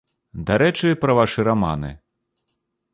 Дарэчы, пра вашы раманы.